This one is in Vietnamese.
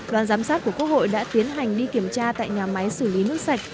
đoàn giám sát của quốc hội đã tiến hành đi kiểm tra tại nhà máy xử lý nước sạch